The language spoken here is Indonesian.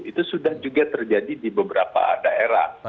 itu sudah juga terjadi di beberapa daerah